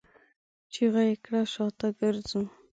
چيغه يې کړه! شاته ګرځو!